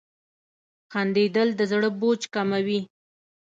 • خندېدل د زړه بوج کموي.